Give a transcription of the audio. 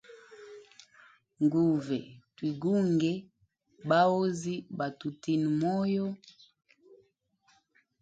Nguve twigunge bahozi batutine moyo.